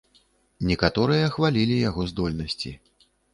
Некаторыя хвалілі яго здольнасці.